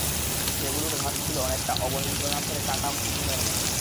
সেগুলোর ধাঁচ ছিল অনেকটা অবনীন্দ্রনাথের কাটাম কুটুমের মতো।